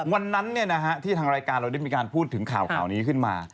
วันนั้นที่ทางรายการเราได้มีการพูดถึงข่าวนี้ขึ้นมา